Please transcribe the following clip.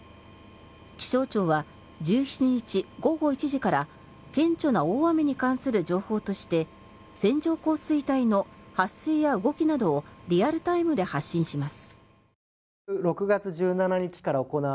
気象庁は１７日午後１時から「顕著な大雨に関する情報」として線状降水帯の発生や動きなどをリアルタイムで発信します。